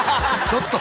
ちょっと！